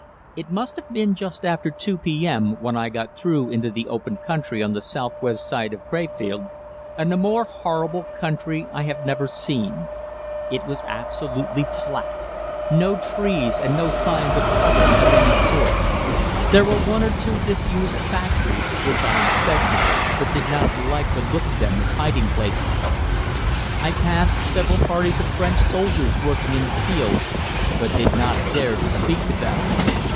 It must have been just after 2 p.m. when I got through into the open country on the southwest side of Crefeld, and a more horrible country I have never seen; it was absolutely flat, no trees and no signs of cover of any sort. There were one or two disused factories, which I inspected, but did not like the look of them as hiding places. I passed several parties of French soldiers working in the fields, but did not dare to speak to them.